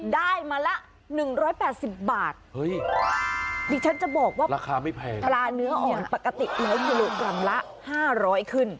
ได้มาละ๑๘๐บาทเดี๋ยวฉันจะบอกว่าปลาเนื้ออ่อนปกติ๑๐๐กรัมละ๕๐๐บาทขึ้น